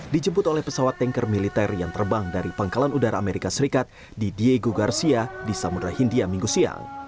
dijemput oleh pesawat tanker militer yang terbang dari pangkalan udara amerika serikat di diego garsia di samudera hindia minggu siang